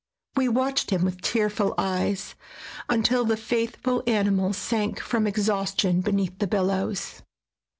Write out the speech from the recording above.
We watched him with tearful eyes, until the faithful animal sank from exhaustion beneath the billows.